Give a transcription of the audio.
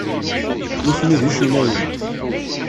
Nitni d icennayen.